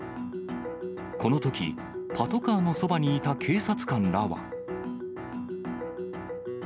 このとき、パトカーのそばにいた警察官らは。